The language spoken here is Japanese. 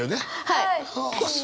はい。